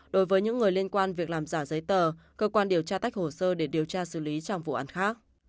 đối với những người liên quan việc làm giả giấy tờ cơ quan điều tra tách hồ sơ để điều tra xử lý trong vụ án khác